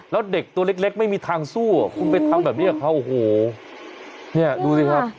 แล้วเด็กตัวเล็กไม่มีทางสู้อ่ะคุณไปทำแบบนี้กับเขาโอ้โหเนี่ยดูสิครับ